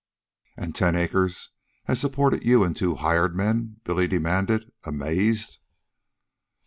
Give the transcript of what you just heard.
"And ten acres has supported you an' two hired men?" Billy demanded, amazed.